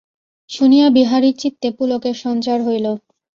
শুনিয়া বিহারীর চিত্তে পুলকের সঞ্চার হইল।